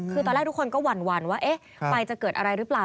คือตอนแรกทุกคนก็หวั่นว่าเอ๊ะไฟจะเกิดอะไรหรือเปล่า